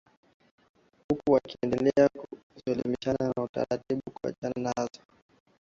huku wakiendelea kuelimishana taratibu na kuachana nazo